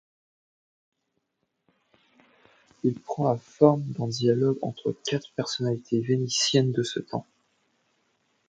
Il prend la forme d'un dialogue entre quatre personnalités vénitiennes de ce temps.